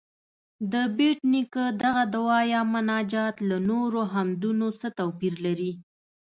د بېټ نیکه دغه دعا یا مناجات له نورو حمدونو څه توپیر لري؟